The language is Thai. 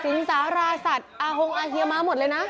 สินสาหราศัทย์อาฮงหยะมาเห็นหมดเลยนะ